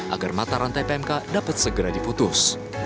agar mata rantai pmk dapat segera diputus